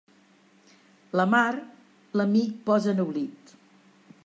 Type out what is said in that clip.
La mar, l'amic posa en oblit.